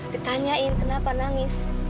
ditanyain kenapa nangis